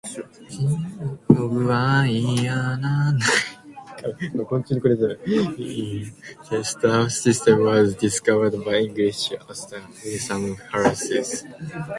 The variability of this star system was discovered by English astronomer William Herschel.